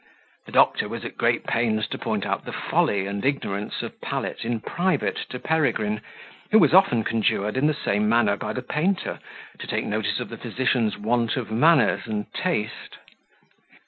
The doctor was at great pains to point out the folly and ignorance of Pallet in private to Peregrine, who was often conjured in the same manner by the painter, to take notice of the physician's want of manners and taste.